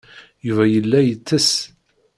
Yuba yella yettess.